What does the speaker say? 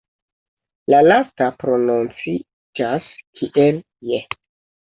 La lasta prononciĝas kiel "je".